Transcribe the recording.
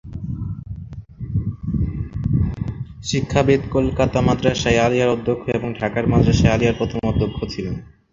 শিক্ষাবিদ, কলকাতা মাদ্রাসা-ই-আলিয়ার অধ্যক্ষ এবং ঢাকার মাদ্রাসা-ই-আলিয়ার প্রথম অধ্যক্ষ ছিলেন।